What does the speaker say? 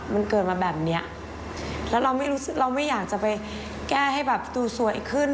มันเกิดมาแบบนี้แล้วเราไม่รู้เราไม่อยากจะไปแก้ให้แบบดูสวยขึ้น